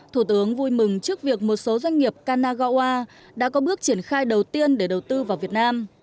thủ tướng vui mừng trước việc một số doanh nghiệp kanagawa đã có bước triển khai đầu tiên để đầu tư vào việt nam